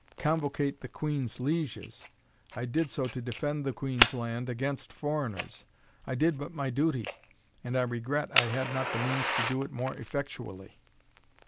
Convocate the Queen's lieges! I did so to defend the Queen's land against foreigners. I did but my duty; and I regret I had not the means to do it more effectually."